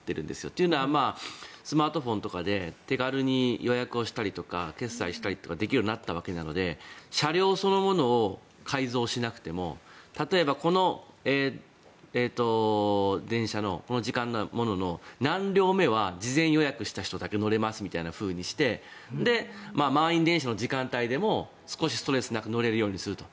というのはスマートフォンとかで手軽に予約をしたりとか決済したりとかできるようになったわけなので車両そのものを改造しなくても例えば、この電車のこの時間の何両目は事前予約した人だけ乗れますってして満員電車の時間帯でも少しストレスなく乗れるようにすると。